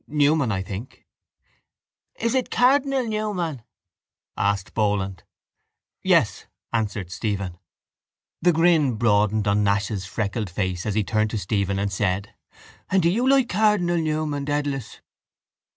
—Newman, I think. —Is it Cardinal Newman? asked Boland. —Yes, answered Stephen. The grin broadened on Nash's freckled face as he turned to Stephen and said: —And do you like Cardinal Newman, Dedalus?